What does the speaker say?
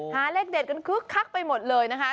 หาเลขเด็ดกันคึกคักไปหมดเลยนะคะ